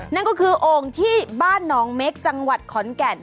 นั่นก็คือโอ่งที่บ้านหนองเม็กจังหวัดขอนแก่น